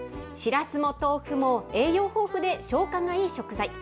しらすも豆腐も栄養豊富で消化がいい食材。